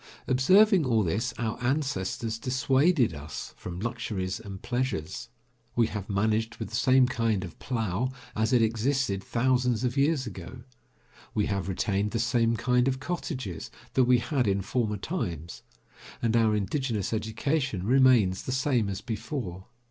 Observing all this, our ancestors dissuaded us from luxuries and pleasures. We have managed with the same kind of plough as it existed thousands of years ago. We have retained the same kind of cottages that we had in former times, and our indigenous education remains the same as before.